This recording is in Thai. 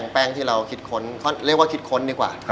แป้งที่เราคิดค้นเขาเรียกว่าคิดค้นดีกว่า